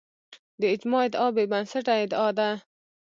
د اجماع ادعا بې بنسټه ادعا ده